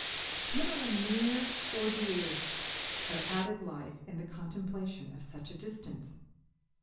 What are a mere forty years of added later life in the contemplation of such a distance?